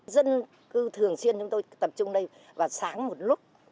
dân cư thường xuyên chúng tôi tập trung đây vào sáng một lúc